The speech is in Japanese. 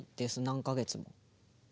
何か月も。